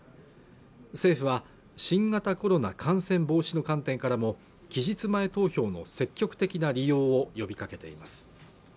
政府は新型コロナ感染防止の観点からも期日前に投票の積極的な利用を呼びかけています